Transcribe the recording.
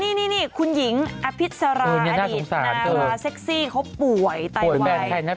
นี่คุณหญิงอภิษราอดีตดาราเซ็กซี่เขาป่วยไตวาย